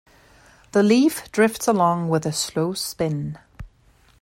The leaf drifts along with a slow spin.